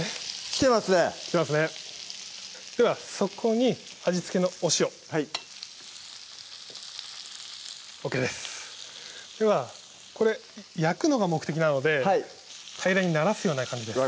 来てますね来てますねではそこに味付けのお塩はいＯＫですではこれ焼くのが目的なので平らにならすような感じです